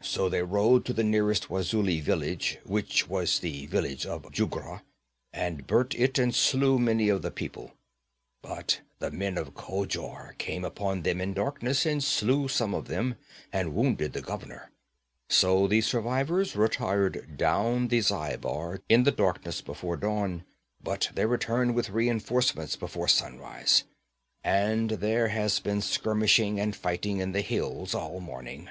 'So they rode to the nearest Wazuli village, which was the village of Jugra, and burnt it and slew many of the people. But the men of Khojur came upon them in darkness and slew some of them, and wounded the governor. So the survivors retired down the Zhaibar in the darkness before dawn, but they returned with reinforcements before sunrise, and there has been skirmishing and fighting in the hills all morning.